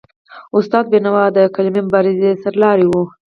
استاد بینوا د قلمي مبارزې سرلاری و.